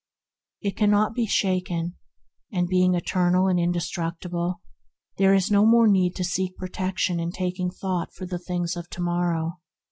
It cannot be shaken; being eternal and indestructible, there is no more need to seek protection by taking thought for the things of the morrow.